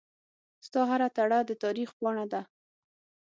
ستا هره تړه دتاریخ پاڼه ده